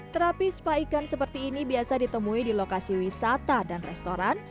terapi spa ikan seperti ini biasa ditemui di lokasi wisata dan restoran